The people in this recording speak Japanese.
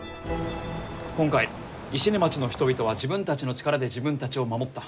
今回石音町の人々は自分たちの力で自分たちを守った。